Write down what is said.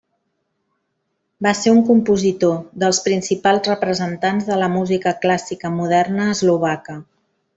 Va ser un compositor, dels principals representants de la música clàssica moderna eslovaca.